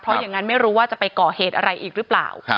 เพราะอย่างนั้นไม่รู้ว่าจะไปก่อเหตุอะไรอีกหรือเปล่า